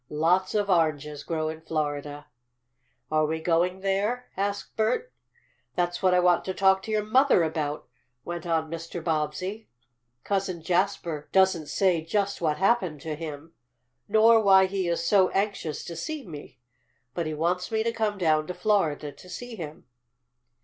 "Lots of oranges grow in Florida." "And are we going there?" asked Bert. "That's what I want to talk to your mother about," went on Mr. Bobbsey. "Cousin Jasper doesn't say just what happened to him, nor why he is so anxious to see me. But he wants me to come down to Florida to see him."